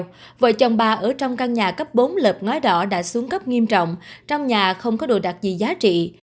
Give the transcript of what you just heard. trước đó vợ chồng bà ở trong căn nhà cấp bốn lợp ngói đỏ đã xuống cấp nghiêm trọng trong nhà không có đồ đặc gì giá trị